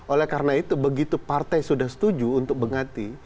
oleh karena itu begitu partai sudah setuju untuk bengati